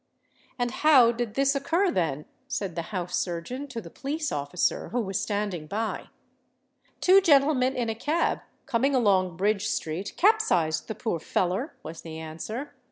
"And how did this occur, then?" said the house surgeon to the police officer, who was standing by. "Two gentlemen in a cab, coming along Bridge Street, capsized the poor feller," was the answer.